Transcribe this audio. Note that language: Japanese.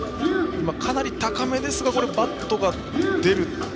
かなり高めですがバットが出ました。